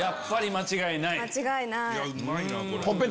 間違いない。